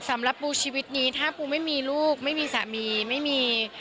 สำหรับปูชีวิตนี้ถ้าปูไม่มีลูกไม่มีสามีไม่มี